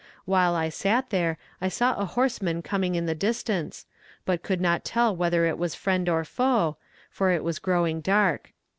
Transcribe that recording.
While I sat there I saw a horseman coming in the distance, but could not tell whether it was friend or foe, for it was growing dark.